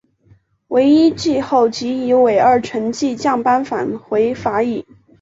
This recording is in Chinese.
惟一季后即以尾二成绩降班返回法乙。